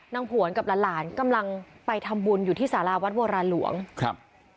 ผวนกับหลานหลานกำลังไปทำบุญอยู่ที่สาราวัดโบราณหลวงครับ